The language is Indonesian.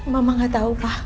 mama gak tau pa